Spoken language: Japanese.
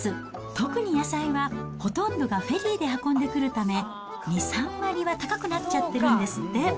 特に野菜は、ほとんどがフェリーで運んでくるため２、３割は高くなっちゃってるんですって。